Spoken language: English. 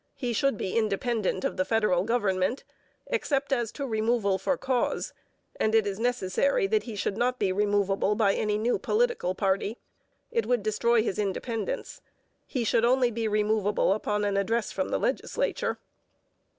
He should be independent of the federal government, except as to removal for cause, and it is necessary that he should not be removable by any new political party. It would destroy his independence. He should only be removable upon an address from the legislature.